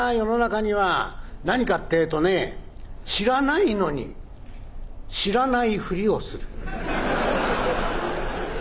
何かってぇとねぇ知らないのに知らないふりをする。